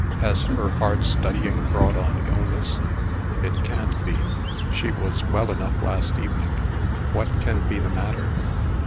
"Has her hard studying brought on illness? It can't be. She was well enough last evening. What can be the matter?"